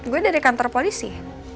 gue dari kantor polisi